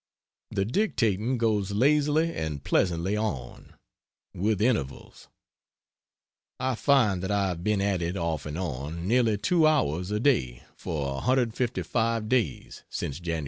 The dictating goes lazily and pleasantly on. With intervals. I find that I have been at it, off and on, nearly two hours a day for 155 days, since Jan.